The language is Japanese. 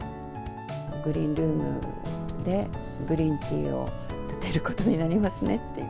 グリーンルームで、グリーンティーをたてることになりますねって。